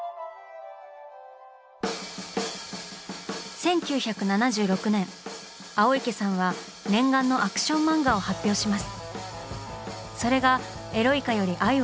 １９７６年青池さんは念願のアクション漫画を発表します。